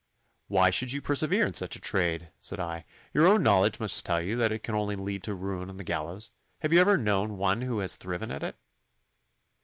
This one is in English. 'Why should you persevere in such a trade?' said I. 'Your own knowledge must tell you that it can only lead to ruin and the gallows. Have you ever known one who has thriven at it?